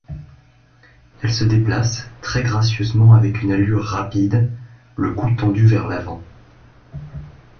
Elle se déplace, très gracieusement avec une allure rapide, le cou tendu vers l'avant.